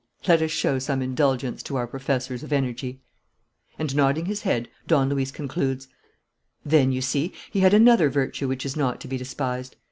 Let us show some indulgence to our professors of energy." And, nodding his head, Don Luis concludes: "Then, you see, he had another virtue which is not to be despised.